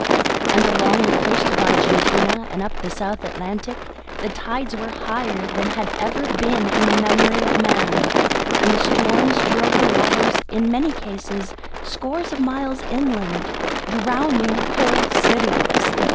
And along the coast of Argentina and up the South Atlantic the tides were higher than had ever been in the memory of man, and the storms drove the waters in many cases scores of miles inland, drowning whole cities.